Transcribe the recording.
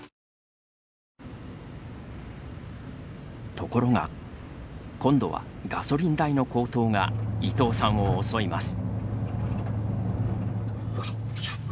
ところが、今度はガソリン代の高騰が伊藤さんを襲います。